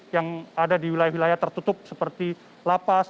yang ada di wilayah wilayah tertutup seperti lapas